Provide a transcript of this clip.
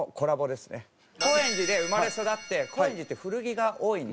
高円寺で生まれ育って高円寺って古着が多いんで。